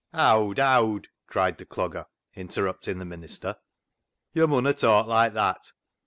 " Howd ! howd," cried the Clogger, interrupt ing the minister, " Yo' munna talk like that.